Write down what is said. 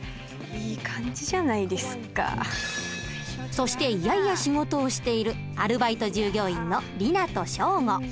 そして嫌々仕事をしているアルバイト従業員の莉奈と祥伍。